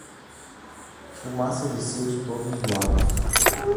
Fumaça descia de todos os lados.